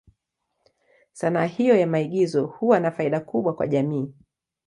Sanaa hiyo ya maigizo huwa na faida kubwa kwa jamii.